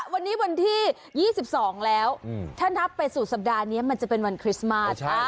วันนี้วันที่๒๒แล้วถ้านับไปสู่สัปดาห์นี้มันจะเป็นวันคริสต์มาส